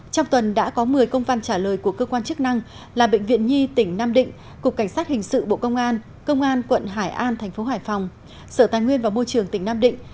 trong tuần đã có một mươi công văn trả lời của cơ quan chức năng là bệnh viện nhi tỉnh nam định cục cảnh sát hình sự bộ công an công an quận hải an thành phố hải phòng sở tài nguyên và môi trường tỉnh nam định